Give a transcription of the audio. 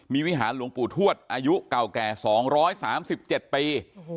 มีวิหารหลวงปู่ทวดอายุเก่าแก่๒๓๗ปี